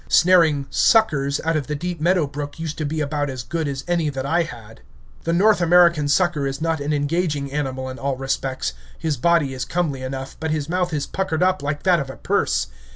Snaring "suckers" out of the deep meadow brook used to be about as good as any that I had. The North American sucker is not an engaging animal in all respects; his body is comely enough, but his mouth is puckered up like that of a purse.